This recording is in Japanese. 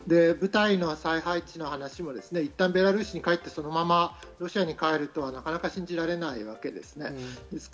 部隊の再配置の話もいったんベラルーシに帰って、そのままロシアに帰るとはなかなか信じられないわけです。